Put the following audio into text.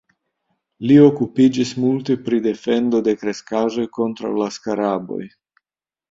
Li okupiĝis multe pri defendo de kreskaĵoj kontraŭ la skaraboj.